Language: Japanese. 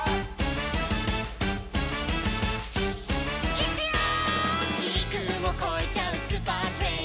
「いくよー！」